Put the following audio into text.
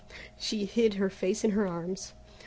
She hid her face in her arms.